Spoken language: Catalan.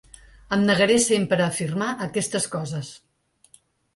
Em negaré sempre a firmar aquestes coses.